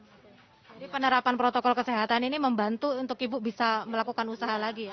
jadi penerapan protokol kesehatan ini membantu untuk ibu bisa melakukan usaha lagi ya